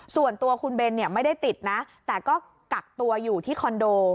ส่วนตัวคุณเบนเนี่ยไม่ได้ติดนะแต่ก็กักตัวอยู่ที่คอนโด